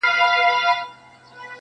پلار یې خړي سترګي کښته واچولې.!